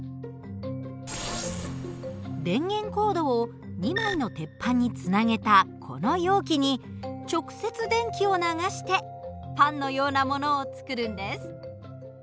電源コードを２枚の鉄板につなげたこの容器に直接電気を流してパンのようなものを作るんです。